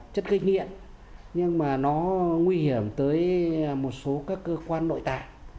chất gây nghiện nhưng mà nó nguy hiểm tới một số các cơ quan nội tạng